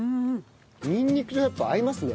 にんにくとやっぱ合いますね。